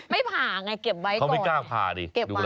ไม่ผ่าไงเก็บไว้ก่อนเขาไม่กล้าผ่าดิ